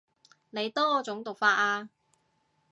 你多種讀法啊